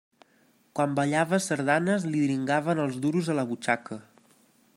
Quan ballava sardanes li dringaven els duros a la butxaca.